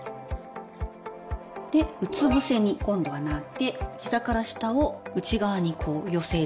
うつぶせに今度はなって膝から下を内側に寄せる。